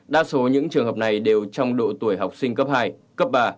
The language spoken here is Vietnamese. đa số những trường hợp này đều trong độ tuổi học sinh cấp hai cấp ba